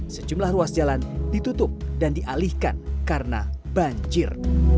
sejumlah ruas jalan ditutup dan dialihkan karena banjir